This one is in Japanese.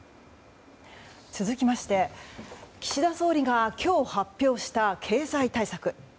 続きまして岸田総理が今日発表した経済対策。